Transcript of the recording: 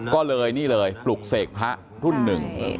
ก็เลยนี่เลยปลุกเสกพระรุ่นหนึ่ง